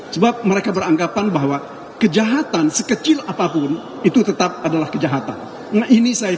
sebab mereka beranggapan bahwa kejahatan sekecil apapun itu tetap adalah kejahatan